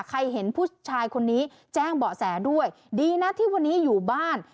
เห็นผู้ชายคนนี้แจ้งเบาะแสด้วยดีนะที่วันนี้อยู่บ้าน